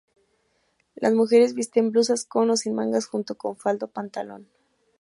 Las mujeres visten blusas con o sin mangas junto con falda o pantalón.